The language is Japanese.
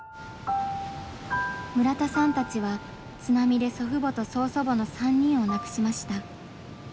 村田さんたちは津波で祖父母と曽祖母の３人を亡くしました。